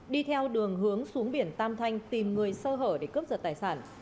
đi theo đường hướng xuống biển tam thanh tìm người sơ hở để cướp giật tài sản